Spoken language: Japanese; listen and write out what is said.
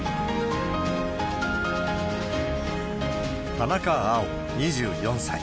田中碧２４歳。